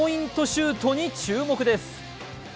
シュートに注目です。